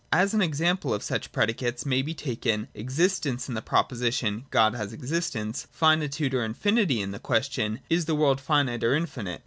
As an example of such predicates may be taken, Existence, in the proposition, ' God has existence :' Finitude or Infinity, as in the question, 'Is the world finite or infinite